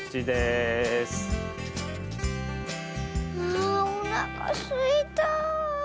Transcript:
あおなかすいた。